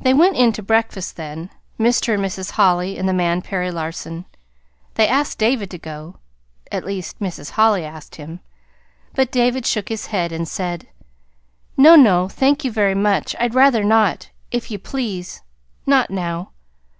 They went in to breakfast then, Mr. and Mrs. Holly, and the man, Perry Larson. They asked David to go at least, Mrs. Holly asked him. But David shook his head and said "No, no, thank you very much; I'd rather not, if you please not now."